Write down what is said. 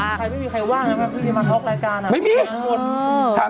ไม่มีใครว่างนะเค้าพี่ได้มาท็อกรายการอะ